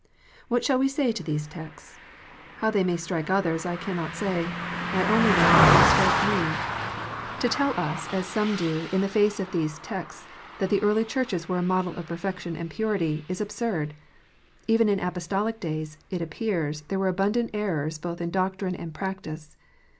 What shall we say to these texts ? How they may strike others I cannot say. I only know how they strike me. To 350 KNOTS UNTIED. tell us, as some do, in the face of these texts, that the early Churches were a model of perfection and purity, is absurd. Even in Apostolic days, it appears, there were abundant errors both in doctrine and practice.